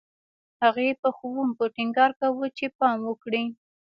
هغې په ښوونکو ټینګار کاوه چې پام وکړي